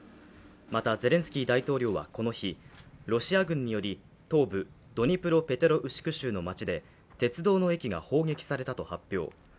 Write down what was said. またゼレンスキー大統領はこの日、ロシア軍により東部ドニプロペトロウシク州の街で鉄道の駅が砲撃されたと発表。